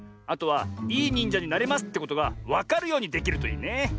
あとは「いいにんじゃになれます！」ってことがわかるようにできるといいね。